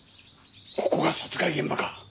ここが殺害現場か！？